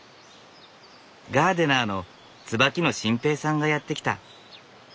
ガーデナーの椿野晋平さんがやって来た。